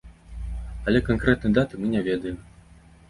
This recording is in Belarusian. Але канкрэтнай даты мы не ведаем.